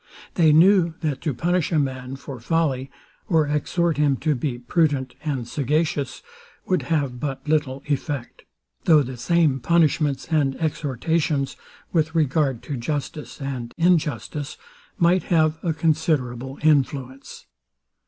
They knew, that to punish a man for folly, or exhort him to be prudent and sagacious, would have but little effect; though the same punishments and exhortations, with regard to justice and injustice, might have a considerable influence.